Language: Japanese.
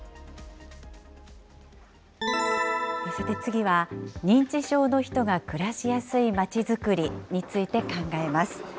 さて、次は、認知症の人が暮らしやすい街づくりについて考えます。